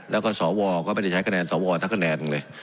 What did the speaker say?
แล้วก็สวก็ไม่ได้ใช้คะแนนสวทักคะแนนเลย